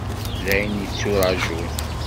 D ayen yetturajun.